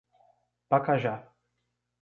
Pacajá